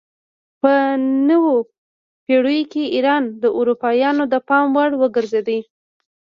په نویو پیړیو کې ایران د اروپایانو د پام وړ وګرځید.